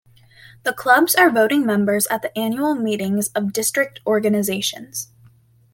The clubs are voting members at the annual meetings of the district organisations.